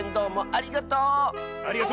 ありがとう！